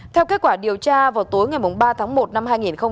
theo kết quả điều tra vào tối ngày ba tháng một năm hai nghìn một mươi tám